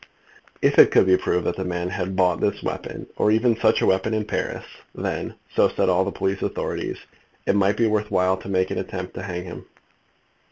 If it could be proved that the man had bought this weapon, or even such a weapon, in Paris then, so said all the police authorities, it might be worth while to make an attempt to hang him.